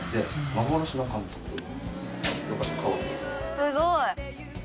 すごい！